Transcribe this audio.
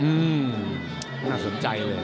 อืมน่าสนใจเลย